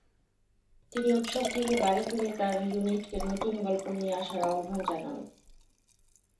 তিনি উৎসব থেকে বাড়ি ফিরে তার ইউনিটকে নতুন গল্প নিয়ে আসার আহ্বান জানান।